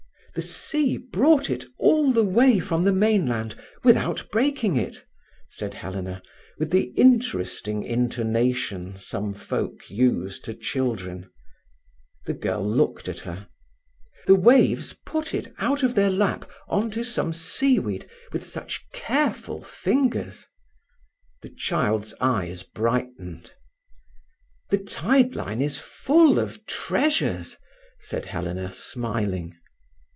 "The sea brought it all the way from the mainland without breaking it," said Helena, with the interesting intonation some folk use to children. The girl looked at her. "The waves put it out of their lap on to some seaweed with such careful fingers—" The child's eyes brightened. "The tide line is full of treasures," said Helena, smiling.